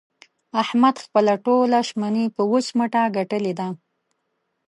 احمد خپله ټوله شمني په وچ مټه ګټلې ده.